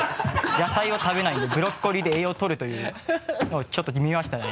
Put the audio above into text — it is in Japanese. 野菜を食べないんでブロッコリーで栄養をとるというのをちょっと見ましたね